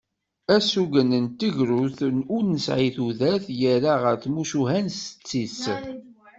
Asugen n tegrudt ur nessin tudert yerra ɣer tmucuha n setti-s.